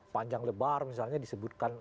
panjang lebar misalnya disebutkan